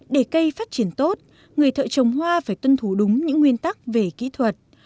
để cây phát triển tốt người thợ trồng hoa phải tuân thủ đúng những nguyên tắc về kỹ thuật